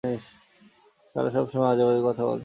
শালা সব সময় আজেবাজে কথা বলে!